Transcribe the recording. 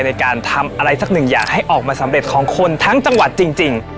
ในการทำอะไรสักหนึ่งอยากให้ออกมาสำเร็จของคนทั้งจังหวัดจริง